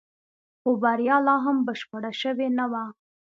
خو بريا لا هم بشپړه شوې نه وه.